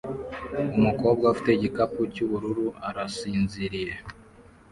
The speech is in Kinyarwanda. Umukobwa ufite igikapu cyubururu arasinziriye